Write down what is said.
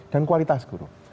dan kualitas guru